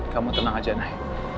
kamu tenang saja nay